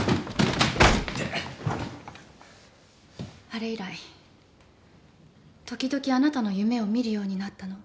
あれ以来時々あなたの夢を見るようになったの。